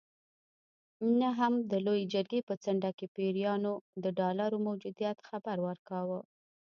نه هم د لویې جرګې په څنډه کې پیریانو د ډالرو موجودیت خبر ورکاوه.